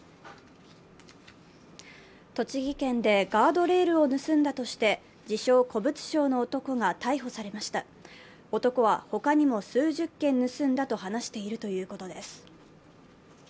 栃木県でガードレールを盗んだとして自称・古物商の男が逮捕されました男は他にも数十件盗んだと話しているということです。